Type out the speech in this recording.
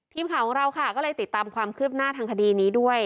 ทีมข่าวของเราค่ะก็เลยติดตามความคืบหน้าทางคดีนี้ด้วย